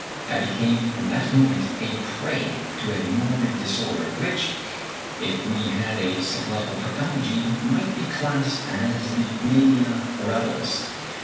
I became from that moment a prey to a morbid disorder, which, if we had a psychological pathology, might be classed as the mania aurahilis.